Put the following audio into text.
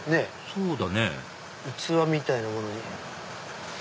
そうだね器みたいなものに。